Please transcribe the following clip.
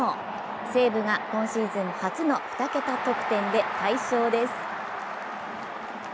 西武が今シーズン初の２桁得点で大勝です。